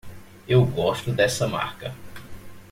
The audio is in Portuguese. Eu gosto dessa marca.